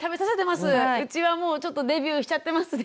うちはもうちょっとデビューしちゃってますね